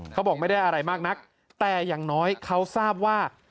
เขาบอกไม่ได้อะไรมากนักแต่อย่างน้อยเขาทราบว่า